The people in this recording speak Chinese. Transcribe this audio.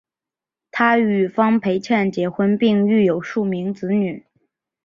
他与方佩倩结婚并育有数名子女。